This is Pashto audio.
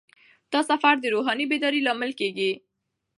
دا سفر د روحاني بیدارۍ لامل کیږي.